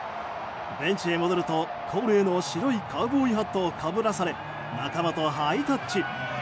ベンチへ戻ると恒例の白いカウボーイハットをかぶらされ仲間とハイタッチ。